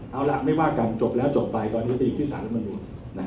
เอาละไม่ว่ากันจบแล้วจบไปตอนนี้จะอยู่ที่สหรัฐมนุษย์